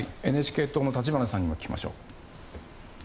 ＮＨＫ党の立花さんにも聞きましょう。